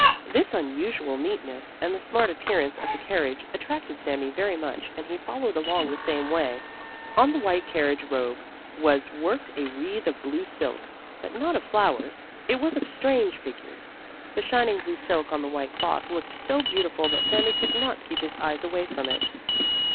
This unusual neatness and the smart appearance of the carriage attracted Sami very much and he followed along the same way. On the white carriage robe was worked a wreath of blue silk, but not of flowers. It was of strange figures. The shining blue silk on the white cloth looked so beautiful that Sami could not keep his eyes away from it.